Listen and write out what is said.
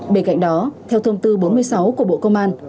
bên cạnh đó theo thông tư bốn mươi sáu của bộ công an